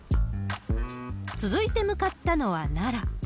続いて向かったのは奈良。